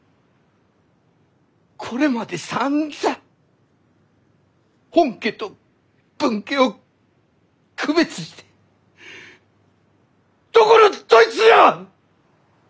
これまでさんざん本家と分家を区別してどこのどいつじゃ！